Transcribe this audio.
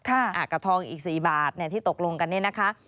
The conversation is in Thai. ค่าอากาธองอีกสี่บาทที่ตกลงกันเนี่ยนะคะ